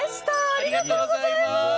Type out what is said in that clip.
ありがとうございます！